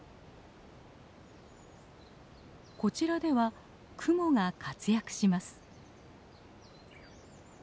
こちらではクモが活躍します。